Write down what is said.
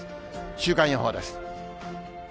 週間予報です。